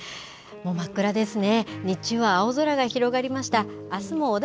もう真っ暗ですね。